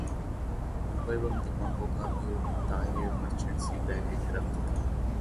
मुंबई बम धमाकों का अभियुक्त ताहिर मर्चेंट सीबीआई की गिरफ्त में